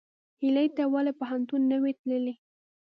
هیلۍ ته ولې پوهنتون ته نه وې تللې؟